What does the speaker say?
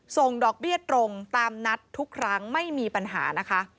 ส่งดอกเบี้ยตรงตามนัดทุกครั้งไม่มีปัญหานะคะ